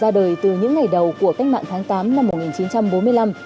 ra đời từ những ngày đầu của cách mạng tháng tám năm một nghìn chín trăm bốn mươi năm